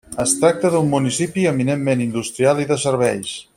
Es tracta d'un municipi eminentment industrial i de serveis.